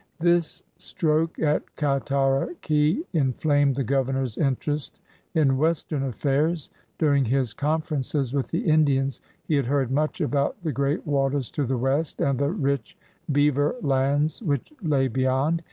This stroke at Cataraqui inflamed the governor's interest in western affairs. During his conferences with the Indians he had heard much about the great waters to the West and the rich beaver lands which lay beyond.